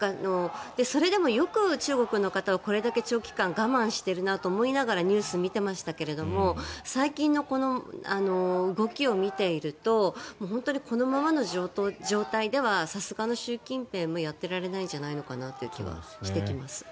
それでもよく中国の方はこれだけ長期間我慢しているなと思いながらニュースを見ていましたけど最近のこの動きを見ていると本当にこのままの状態ではさすがの習近平もやっていられないんじゃないかなという気はしてきます。